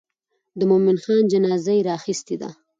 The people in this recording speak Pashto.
د مومن خان جنازه یې راخیستې ده.